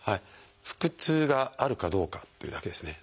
腹痛があるかどうかっていうだけですね。